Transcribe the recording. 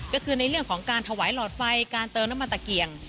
ก็คือในเรื่องของการถวายหลอดไฟการเติมน้ำมันตะเกียง